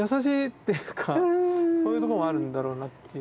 そういうとこもあるんだろうなという。